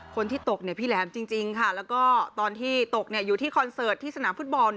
คนที่ตกเนี่ยพี่แหลมจริงค่ะแล้วก็ตอนที่ตกเนี่ยอยู่ที่คอนเสิร์ตที่สนามฟุตบอล